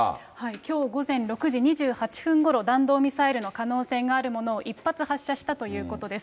きょう午前６時２８分ごろ、弾道ミサイルの可能性があるものを１発発射したということです。